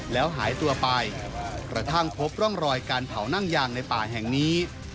แล้วหายตัวไปกระทั่งพบร่องรอยการเผานั่งยางในป่าแห่งนี้